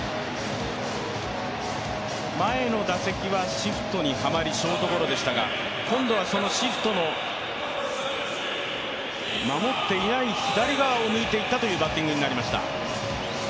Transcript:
前の打席はシフトにはまりショートゴロでしたが今度はそのシフトの守っていない左側を抜いていったバッティングになりました。